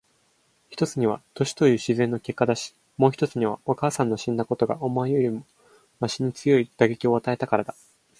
一つには年という自然の結果だし、もう一つにはお母さんの死んだことがお前よりもわしに強い打撃を与えたからだ。